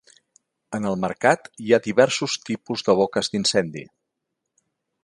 En el mercat hi ha diversos tipus de boques d'incendi.